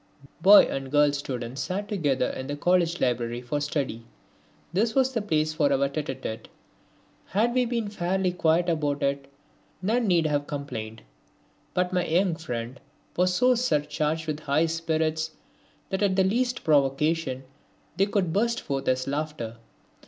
Boy and girl students sat together in the College library for study. This was the place for our tete a tete. Had we been fairly quiet about it none need have complained, but my young friend was so surcharged with high spirits that at the least provocation they would burst forth as laughter.